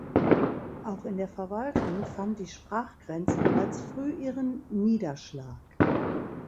Auch in der Verwaltung fand die Sprachgrenze bereits früh ihren Niederschlag.